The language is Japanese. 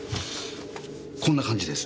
こんな感じです。